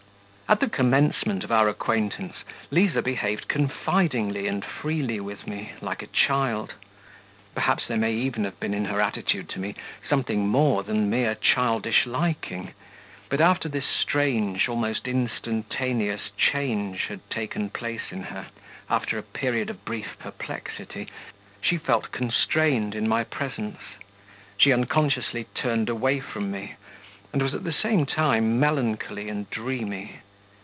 At the commencement of our acquaintance, Liza behaved confidingly and freely with me, like a child; perhaps there may even have been in her attitude to me something more than mere childish liking.... But after this strange, almost instantaneous change had taken place in her, after a period of brief perplexity, she felt constrained in my presence; she unconsciously turned away from me, and was at the same time melancholy and dreamy....